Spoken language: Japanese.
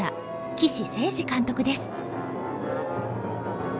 岸誠二監督です。